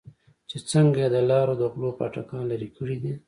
چې څنگه يې د لارو د غلو پاټکان لرې کړې دي.